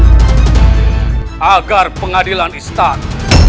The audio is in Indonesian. bagar pengadilan istan